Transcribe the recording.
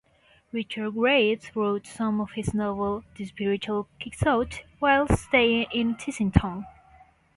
Richard Graves wrote some of his novel "The Spiritual Quixote" whilst staying in Tissington.